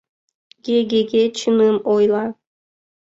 — Ге-ге-ге, чыным ойла.